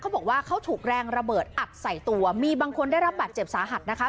บอกว่าเขาถูกแรงระเบิดอัดใส่ตัวมีบางคนได้รับบาดเจ็บสาหัสนะคะ